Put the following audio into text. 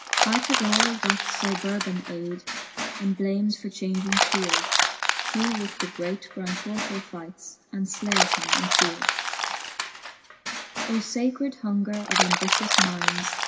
ArUgall doth Sir Burhon aide. And blames for changing Jhi eld r He with the great Grantor to fight fj And jlaieth him infield, I. Sacred hunger of ambitious mindes.